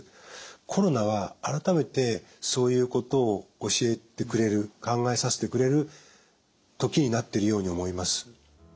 コロナは改めてそういうことを教えてくれる考えさせてくれる時になってるように思います。